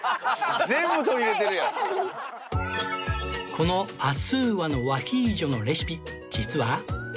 このあすわの和ヒージョのレシピ実は